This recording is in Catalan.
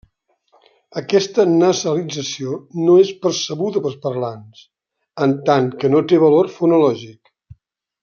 Aquesta nasalització no és percebuda pels parlants, en tant que no té valor fonològic.